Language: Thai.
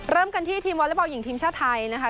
เริ่มกันที่ทีมวอเล็กบอลหญิงทีมชาติไทยนะคะ